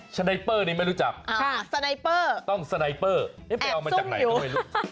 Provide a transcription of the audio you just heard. ชไนเปอร์เนี่ยไม่รู้จักต้องสไนเปอร์ไปเอามาจากไหนก็ไม่รู้